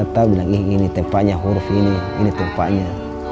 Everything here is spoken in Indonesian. kata bilang ini tempatnya huruf ini ini tempatnya